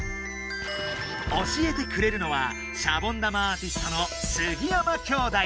教えてくれるのはシャボン玉アーティストの杉山兄弟。